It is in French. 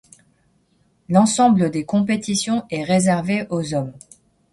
L'ensemble des compétitions est réservé aux hommes.